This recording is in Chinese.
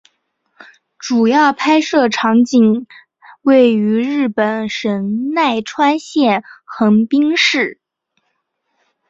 主要拍摄场景位于日本神奈川县横滨市。